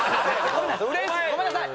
ごめんなさい！